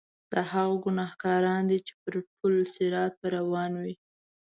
دا هغه ګناګاران دي چې پر پل صراط به روان وي.